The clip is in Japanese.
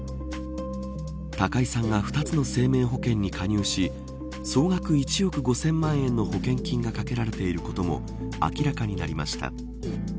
高井さんが２つの生命保険に加入し総額１億５０００万円の保険金がかけられていることも明らかになりました。